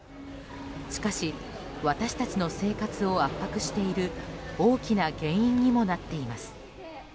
しかし私たちの生活を圧迫している大きな原因にもなっています。